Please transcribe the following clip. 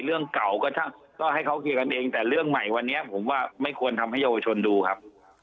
เรื่องเก่าก็ให้เขาเคลียร์กันเองแต่เรื่องใหม่วันนี้ผมว่าไม่ควรทำให้เยาวชนดูครับ